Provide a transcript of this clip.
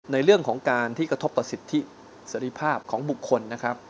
ในเรื่องของการที่กระทบต่อสิทธิเสรีภาพของบุคคลนะครับ